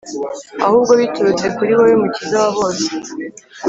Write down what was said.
ahubwo biturutse kuri wowe, Mukiza wa bose.